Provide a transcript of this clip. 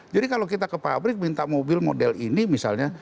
jadi kalau kita ke pabrik minta mobil model ini misalnya